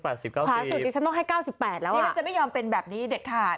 ภาษูนยนต์ตั้งต้องให้๙๘แล้วอะนี่จะไม่ยอมเป็นแบบนี้เด็กขาด